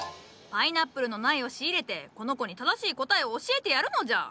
パイナップルの苗を仕入れてこの子に正しい答えを教えてやるのじゃ。